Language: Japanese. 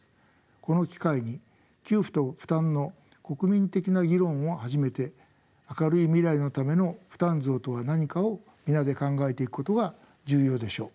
この機会に給付と負担の国民的な議論を始めて明るい未来のための負担増とは何かを皆で考えていくことが重要でしょう。